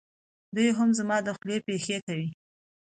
دی هم زما دخولې پېښې کوي.